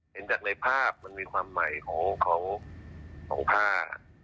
เห็นจากในภาพมันมีความใหม่ของผ้า